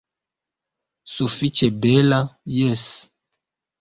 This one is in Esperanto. Sufiĉe bela, jes.